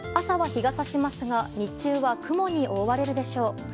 朝は日が差しますが日中は雲に覆われるでしょう。